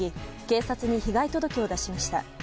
警察に被害届を出しました。